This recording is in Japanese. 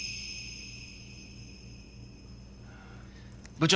部長